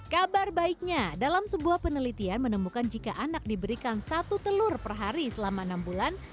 kabar baiknya dalam sebuah penelitian menemukan jika anak diberikan satu telur per hari selama enam bulan